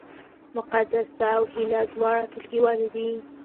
مقدسه او هیله دواړه ټولګیوالې دي